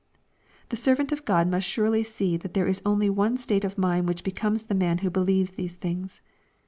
The servant of God must surely see that there is only one state of mind which becomes the man who believes these things.